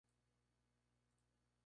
Tocó con la bailarina Nina Corti.